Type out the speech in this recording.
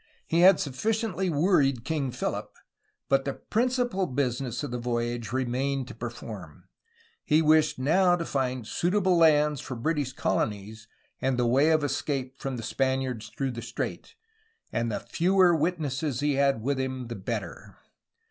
He had sufficiently worried King Philip, but the principal business of the voyage remained to perform. He wished now to find suitable lands for British colonies and the way of escape from the Spaniards through the strait, and the fewer witnesses he had with him, the better.